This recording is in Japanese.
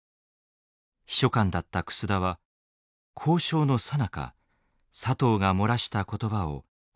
秘書官だった楠田は交渉のさなか佐藤が漏らした言葉を覚えていました。